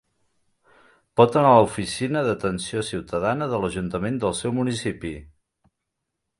Pot anar a l'oficina d'atenció ciutadana de l'ajuntament del seu municipi.